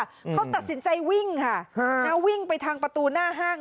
เขาตัดสินใจวิ่งค่ะฮะนะวิ่งไปทางประตูหน้าห้าง